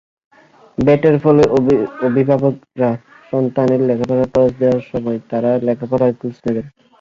ভ্যাটের ফলে অভিভাবকেরা সন্তানদের লেখাপড়ার খরচ দেওয়ার সময় তার লেখাপড়ার খোঁজ নেবেন।